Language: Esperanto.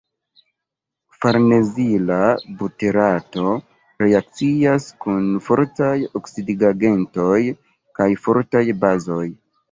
Farnezila buterato reakcias kun fortaj oksidigagentoj kaj fortaj bazoj.